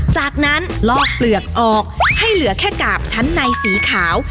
จากนั้นลอกเปลือกออกให้เหลือแค่กาบชั้นในสีขาว